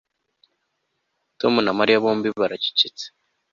Tom na Mariya bombi baracecetse